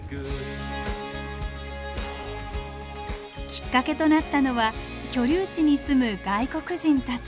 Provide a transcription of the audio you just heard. きっかけとなったのは居留地に住む外国人たち。